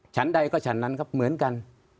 ฉันใดก็ฉันนั้นครับเหมือนกัน